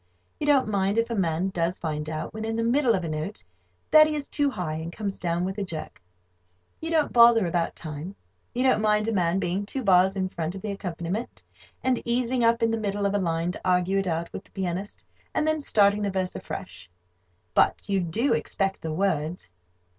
You don't mind if a man does find out, when in the middle of a note, that he is too high, and comes down with a jerk. You don't bother about time. You don't mind a man being two bars in front of the accompaniment, and easing up in the middle of a line to argue it out with the pianist, and then starting the verse afresh. But you do expect the words.